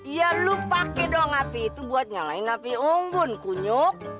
ya lo pake dong api itu buat nyalain api unggun kunyuk